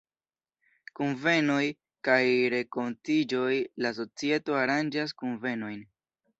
Kunvenoj kaj renkontiĝoj: La societo aranĝas kunvenojn.